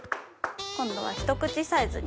今度はひと口サイズに。